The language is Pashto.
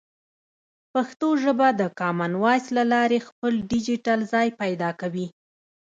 پښتو ژبه د کامن وایس له لارې خپل ډیجیټل ځای پیدا کوي.